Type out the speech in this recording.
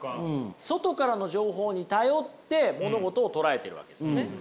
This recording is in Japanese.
外からの情報に頼って物事をとらえているわけですね。